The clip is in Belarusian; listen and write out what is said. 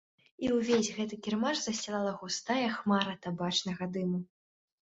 І ўвесь гэты кірмаш засцілала густая хмара табачнага дыму.